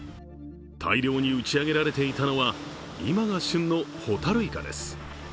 大量に打ち上げられていたのは今が旬のホタルイカです。